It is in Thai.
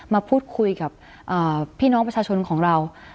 มาพูดคุยกับพี่น้องประชาชนของเรา